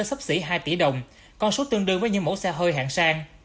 bánh xèo bán với giá lên tới sắp xỉ hai tỷ đồng con số tương đương với những mẫu xe hơi hạng sang